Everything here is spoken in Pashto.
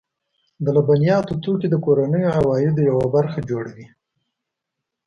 د لبنیاتو توکي د کورنیو عوایدو یوه برخه جوړوي.